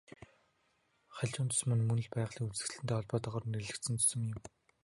Халиун зүсэм нь мөн л байгалийн үзэгдэлтэй холбоотойгоор нэрлэгдсэн зүсэм юм.